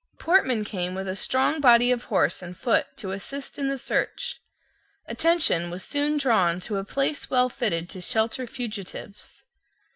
Portman came with a strong body of horse and foot to assist in the search. Attention was soon drawn to a place well fitted to shelter fugitives.